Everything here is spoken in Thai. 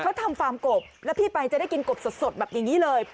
เขาทำฟาร์มกบแล้วพี่ไปจะได้กินกบสดแบบอย่างนี้เลย